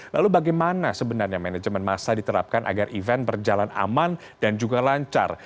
lalu bagaimana sebenarnya manajemen masa diterapkan agar event berjalan aman dan juga lancar